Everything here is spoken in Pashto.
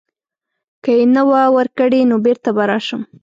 که یې نه وه ورکړې نو بیرته به راشم.